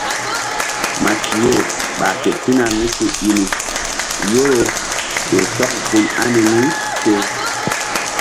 Matiye ɓah ketina mí ku i ni yoro ƴo sɔk gun ani mí ke.